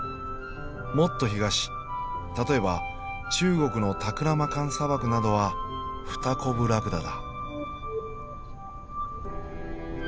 もっと東例えば中国のタクラマカン砂漠などはフタコブラクダだ。